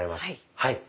はい。